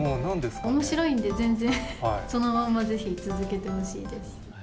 おもしろいんで、全然そのままぜひ続けてほしいです。